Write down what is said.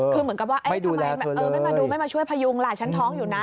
คือเหมือนกับว่าทำไมไม่มาดูไม่มาช่วยพยุงล่ะฉันท้องอยู่นะ